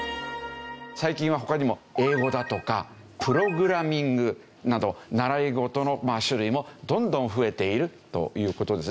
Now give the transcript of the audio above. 最近は他にも英語だとかプログラミングなど習い事の種類もどんどん増えているという事ですね。